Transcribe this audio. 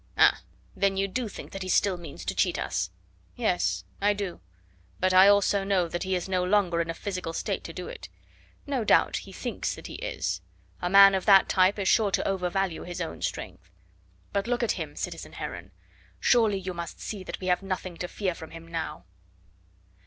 "Ah! then you do think that he still means to cheat us?" "Yes, I do. But I also know that he is no longer in a physical state to do it. No doubt he thinks that he is. A man of that type is sure to overvalue his own strength; but look at him, citizen Heron. Surely you must see that we have nothing to fear from him now."